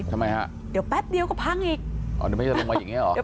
ทำไมฮะเดี๋ยวแป๊บเดียวก็พังอีกอ๋อเดี๋ยวมันจะลงมาอย่างเงี้เหรอ